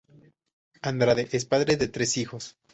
Andrade es padre de tres hijos.